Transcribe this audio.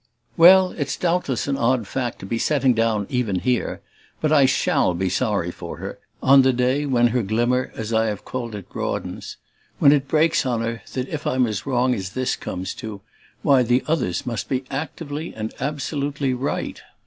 Well, it's doubtless an odd fact to be setting down even here; but I SHALL be sorry for her on the day when her glimmer, as I have called it, broadens when it breaks on her that if I'm as wrong as this comes to, why the others must be actively and absolutely right.